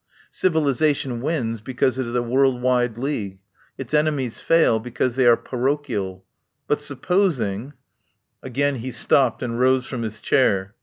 Civilisation wins be cause it is a world wide league; its enemies fail because they are parochial. But sup posing " Again he stopped and rose from his chair.